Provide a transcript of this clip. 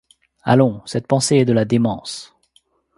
Allons, cette pensée est de la démence.